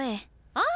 ああ！